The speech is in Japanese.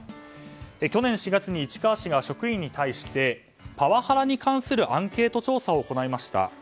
去年４月に市川市が職員に対してパワハラに関するアンケート調査を行いました。